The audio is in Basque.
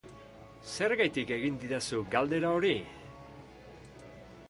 Zergatik egin didazu galdera hori?